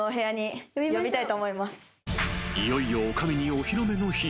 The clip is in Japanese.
［いよいよ女将にお披露目の日］